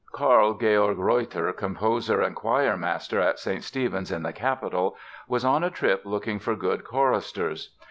Karl Georg Reutter, composer and choirmaster at St. Stephen's in the capital, was on a trip looking for good choristers.